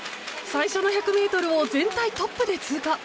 最初の１００ｍを全体トップで通過。